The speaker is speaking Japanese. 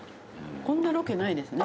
こんなロケないですね。